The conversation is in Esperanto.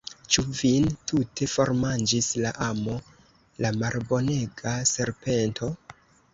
Ĉu vin tute formanĝis la amo, la malbonega serpento?